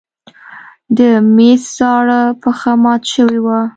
د مېز زاړه پښه مات شوې وه.